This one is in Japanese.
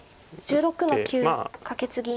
白１６の九カケツギ。